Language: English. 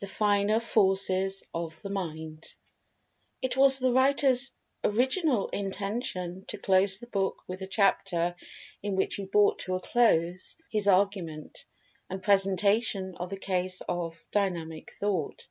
THE FINER FORCES OF THE MIND IT was the writer's original intention to close the book with the chapter in which he brought to a close his argument, and presentation of the case of "Dynamic Thought."